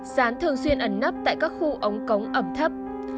rán thường xuyên ẩn nắp tại các khu ống cống ẩm